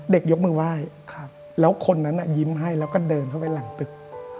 ยกมือไหว้แล้วคนนั้นยิ้มให้แล้วก็เดินเข้าไปหลังตึก